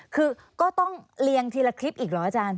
คือก็ต้องเรียงทีละคลิปอีกเหรออาจารย์